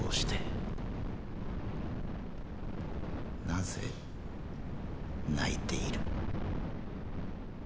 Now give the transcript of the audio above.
なぜ泣いている？